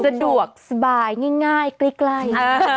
สะดวกสบายง่ายใกล้